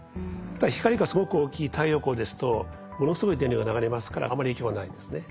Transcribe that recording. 光がすごく大きい太陽光ですとものすごい電流が流れますからあまり影響はないんですね。